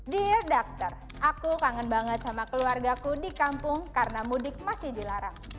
dear doctor aku kangen banget sama keluargaku di kampung karena mudik masih dilarang